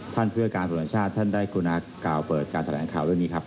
ท่านเพื่อการสนุนชาติท่านได้กลุ่นากล่าวเปิดการแถลงข่าวด้วยนี้ครับ